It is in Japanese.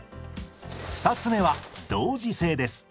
２つ目は同時性です。